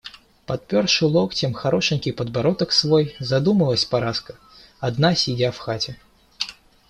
Подперши локтем хорошенький подбородок свой, задумалась Параска, одна сидя в хате.